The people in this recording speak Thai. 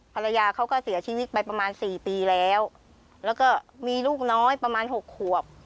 ภรรยาเขาก็เสียชีวิตไปประมาณสี่ปีแล้วแล้วก็มีลูกน้อยประมาณ๖ขวบ